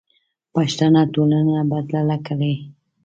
پښتنه ټولنه بدله کړئ.